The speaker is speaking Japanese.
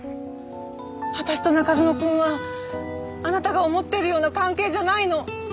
私と中園くんはあなたが思っているような関係じゃないの。